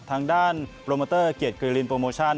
ทางด้านโปรโมเตอร์เกียรติกรีลินโปรโมชั่น